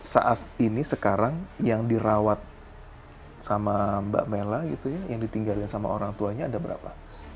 saat ini sekarang yang dirawat sama mbak mela gitu ya yang ditinggalin sama orang tuanya ada berapa